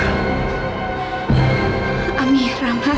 siapa yang menyebarkan darahnya untuk saya